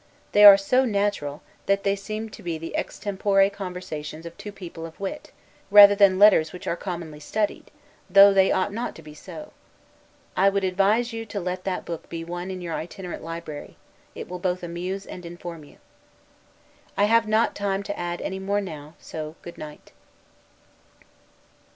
They are so natural, that they seem to be the extempore conversations of two people of wit, rather, than letters which are commonly studied, though they ought not to be so. I would advise you to let that book be one in your itinerant library; it will both amuse and inform you. I have not time to add any more now; so good night.